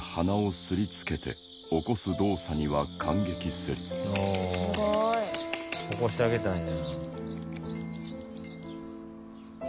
すごい。起こしてあげたんや。